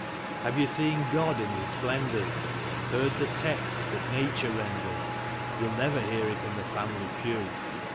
Have you seen God in Ills splendors, heard the text that nature renders? (You'll never hear it in the family pew.)